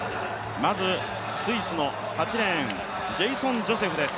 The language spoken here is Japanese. まずスイスの８レーンジェイソン・ジョセフです。